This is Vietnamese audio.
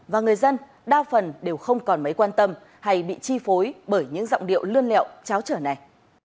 và người dân đa phần đều không còn mấy quan tâm hay bị chi phối bởi những giọng điệu lươn lẹo cháo trở này